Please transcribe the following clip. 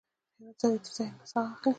ویده ذهن ساه اخلي